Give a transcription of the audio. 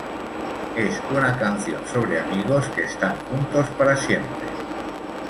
Es una canción sobre amigos que están juntos para siempre.